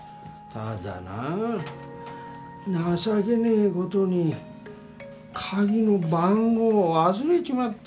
ただな情けねえことに鍵の番号忘れちまったんだよ